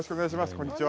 こんにちは。